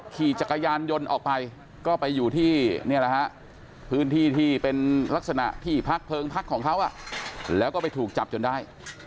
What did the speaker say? ที่พักเพลิงพักของเขาอ่ะแล้วก็ไปถูกจับจนได้